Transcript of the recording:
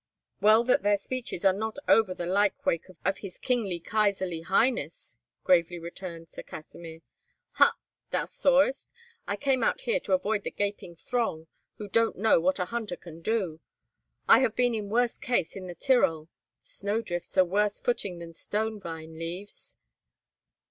"Well that their speeches are not over the lykewake of his kingly kaisarly highness," gravely returned Sir Kasimir. "Ha! Thou sawest? I came out here to avoid the gaping throng, who don't know what a hunter can do. I have been in worse case in the Tyrol. Snowdrifts are worse footing than stone vine leaves."